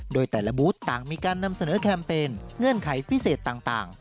โดยแต่ละบูธต่างมีการนำเสนอแคมเปญเงื่อนไขพิเศษต่าง